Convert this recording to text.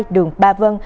đường ba vân